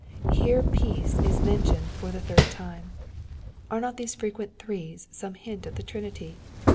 Here peace is mentioned for the third time. Are not these frequent threes some hint of the Trinity